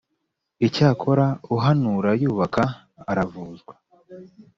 Icyakora uhanura yubaka aravuzwa